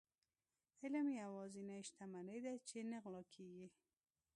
علم يوازنی شتمني ده چي نه غلا کيږي.